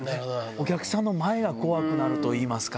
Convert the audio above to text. お客さんの前が怖くなるといいますか。